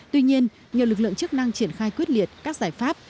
tuy nhiên nhờ lực lượng chức năng triển khai quyết liệt các giải pháp